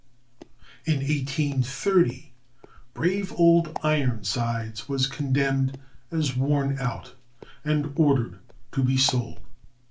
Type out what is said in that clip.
In 1830 brave Old Ironsides was condemned as worn out, and ordered to be sold.